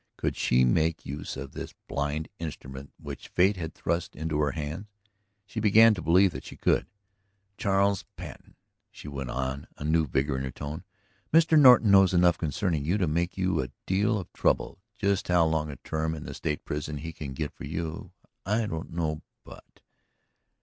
Could she make use of this blind instrument which fate had thrust into her hand? She began to believe that she could. "Charles Patten," she went on, a new vigor in her tone, "Mr. Norton knows enough concerning you to make you a deal of trouble. Just how long a term in the State prison he can get for you I don't know. But